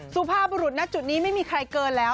สุภาพบุรุษณจุดนี้ไม่มีใครเกินแล้ว